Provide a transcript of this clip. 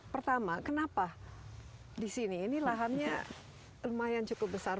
pertama kenapa di sini ini lahannya lumayan cukup besar